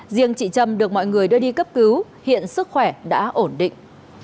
riêng chị trâm được mọi người đưa đi cấp cứu hiện sức khỏe đã ổn định